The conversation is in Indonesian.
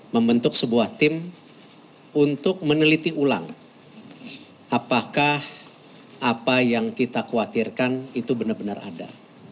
membentuk sebuah tim untuk meneliti ulang apakah apa yang kita khawatirkan itu benar benar ada